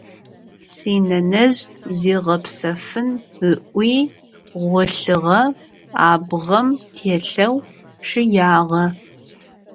Синэнэжъ зигъэпсэфын ыӏуи гъолъыгъэ, абгъэм телъэу чъыягъэ.